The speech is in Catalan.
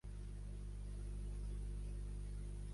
Què hi ha a la plaça de Santiago Pey número vuit?